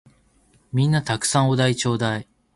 皆んな沢山お題ちょーだい！